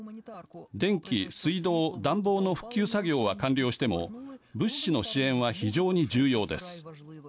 電気、水道、暖房の復旧作業は完了しても物資の支援は非常に重要です。